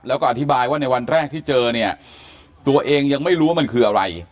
แล้วก็อธิบายว่าในวันแรกที่เจอเนี่ยตัวเองยังไม่รู้ว่ามันคืออะไร